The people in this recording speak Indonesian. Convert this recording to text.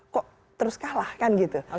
kok terus kalah kan gitu